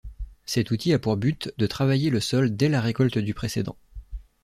Cet outil a pour but de travailler le sol dès la récolte du précédent.